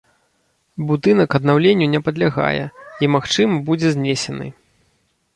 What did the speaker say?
Будынак аднаўленню не падлягае і, магчыма, будзе знесены.